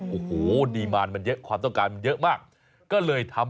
โอ้โหต้องการงานมันเยอะมากก็เลยทำแบบนี้ดีกว่า